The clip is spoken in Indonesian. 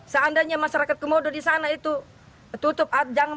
seandainya masyarakat komodo di sana itu tutup